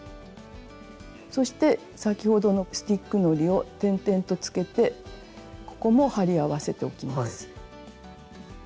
そして先ほどのスティックのりを点々とつけてここも貼り合わせておきます。